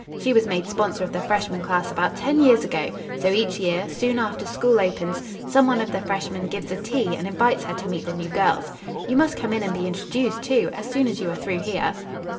She was made sponsor of the freshman class about ten years ago, so each year, soon after school opens, some one of the freshmen gives a tea and invites her to meet the new girls. You must come in and be introduced, too, as soon as you are through here."